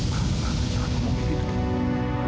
mana anah juga mau hidup